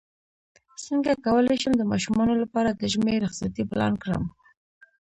څنګه کولی شم د ماشومانو لپاره د ژمی رخصتۍ پلان کړم